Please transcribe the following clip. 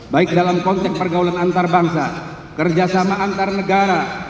baik dalam konteks pergaulan antarbangsa kerjasama antarnegara